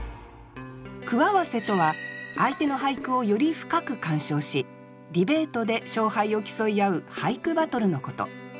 句合わせとは相手の俳句をより深く鑑賞しディベートで勝敗を競い合う俳句バトルのこと。